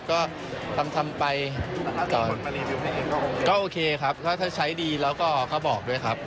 ก็ทำไปก่อนก็โอเคครับเพราะถ้าใช้ดีแล้วก็บอกด้วยครับ